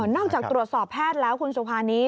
นอกจากตรวจสอบแพทย์แล้วคุณสุภานี